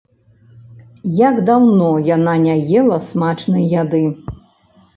Як даўно яна не ела смачнай яды!